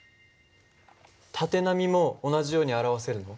縦波も同じように表せるの？